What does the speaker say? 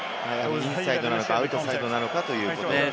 インサイドなのか、アウトサイドなのかという競技です。